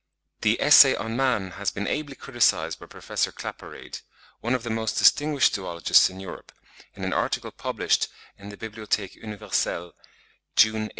The 'Essay on Man,' has been ably criticised by Prof. Claparede, one of the most distinguished zoologists in Europe, in an article published in the 'Bibliotheque Universelle,' June 1870.